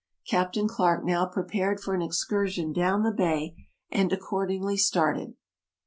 Captain Clarke now pre pared for an excursion down the bay, and accordingly started.